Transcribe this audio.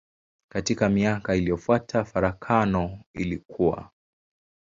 Katika miaka iliyofuata farakano ilikua.